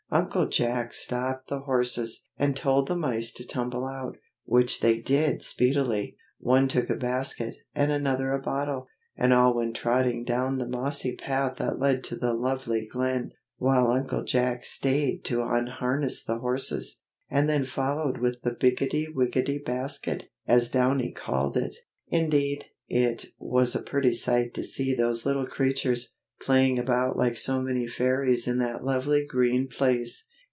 Uncle Jack stopped the horses, and told the mice to tumble out, which they did speedily. One took a basket, and another a bottle, and all went trotting down the mossy path that led to the lovely glen, while Uncle Jack stayed to unharness the horses, and then followed with the "biggy wiggy basket," as Downy called it. Indeed, it was a pretty sight to see those little creatures, playing about like so many fairies in that lovely green place.